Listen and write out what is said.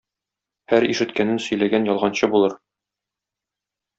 Һәр ишеткәнен сөйләгән ялганчы булыр.